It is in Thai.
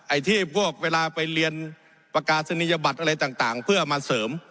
ไอ้ที่พวกเวลาไปเรียนประกาศนียบัตรอะไรต่างเพื่อมาเสริม